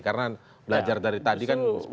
karena belajar dari tadi kan sebutkan